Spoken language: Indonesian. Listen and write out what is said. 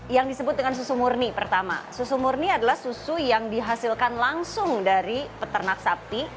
yang disebut dengan susu murni pertama susu murni adalah susu yang dihasilkan langsung dari peternak sapi